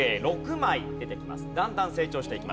だんだん成長していきます。